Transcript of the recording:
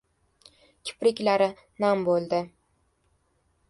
Kipriklari nam bo‘ldi...